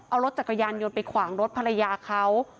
เอารถจักรยานยนต์ไปขวางรถภรรยาเขา